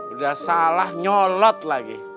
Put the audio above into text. udah salah nyolot lagi